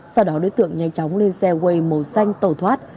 sau đó đối tượng nhanh chóng lên xe way màu xanh tẩu thoát